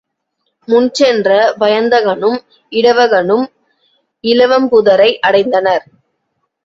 முன் சென்ற வயந்தகனும் இடவகனும் இலவம்புதரை அடைந்தனர்.